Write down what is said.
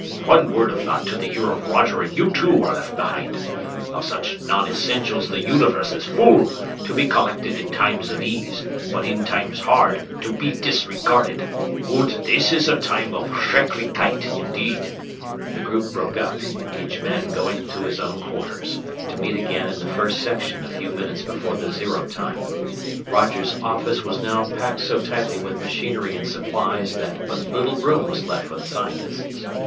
"One word of that to the ear of Roger and you too are left behind. Of such non essentials the Universe is full, to be collected in times of ease, but in times hard to be disregarded. Und this is a time of schrecklichkeit indeed!" [Illustration: And through that terrific conduit came speeding package after package of destruction.] The group broke up, each man going to his own quarters; to meet again in the First Section a few minutes before the zero time. Roger's "office" was now packed so tightly with machinery and supplies that but little room was left for the scientists.